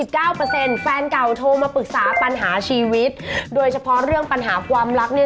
คือแฟนเก่าโทรมาปรึกษาปัญหาชีวิตโดยเฉพาะเรื่องปัญหาความรักเนี่ย